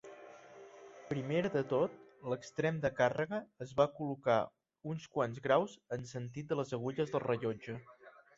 Primer de tot, l'extrem de càrrega es va col·locar uns quants graus en el sentit de les agulles del rellotge.